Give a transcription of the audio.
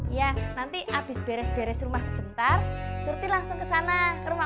iya nanti abis beres beres rumah sebentar serti langsung ke sana ke rumah mak